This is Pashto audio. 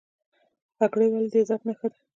پګړۍ ولې د عزت نښه ده؟